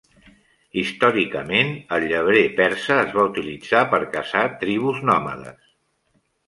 Històricament, el llebrer persa es va utilitzar per caçar tribus nòmades.